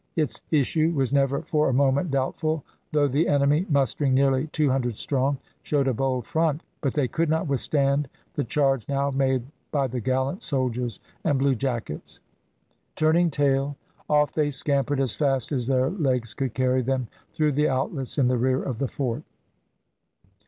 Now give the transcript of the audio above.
Its issue was never for a moment doubtful, though the enemy, mustering nearly 200 strong, showed a bold front; but they could not withstand the charge now made by the gallant soldiers and bluejackets. Turning tail, off they scampered as fast as their legs could carry them, through the outlets in the rear of the fort.